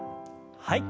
はい。